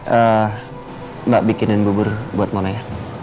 eee mbak bikinin bubur buat mona ya